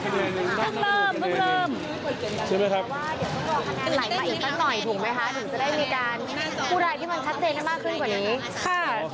ถึงจะได้มีการพูดรายที่มันชัดเจนได้มากขึ้นกว่านี้